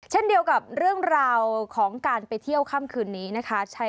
เช่นเดียวกับเรื่องราวของการไปเที่ยวค่ำคืนนี้นะคะ